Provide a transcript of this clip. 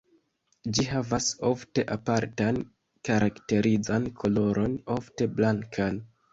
Ĝi havas ofte apartan karakterizan koloron ofte blankan.